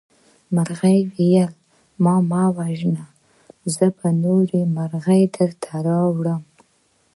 مرغۍ وویل چې ما مه وژنه زه به نورې مرغۍ درته راوړم.